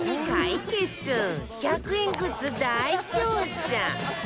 １００円グッズ大調査！